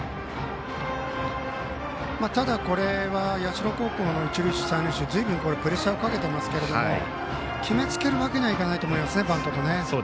ただ、これは社高校の一塁手、三塁手ずいぶんプレッシャーをかけていますけども決め付けるわけにはいかないと思いますね、バントを。